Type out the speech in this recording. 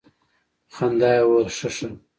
په خندا يې وويل خه خه.